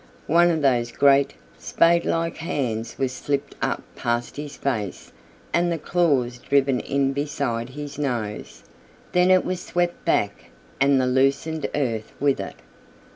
One of those great, spadelike hands was slipped up past his face and the claws driven in beside his nose. Then it was swept back and the loosened earth with it.